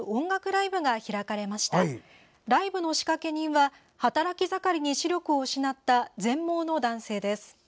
ライブの仕掛け人は働き盛りに視力を失った全盲の男性です。